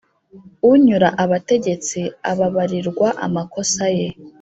unyura abategetsi ababarirwa amakosa ye.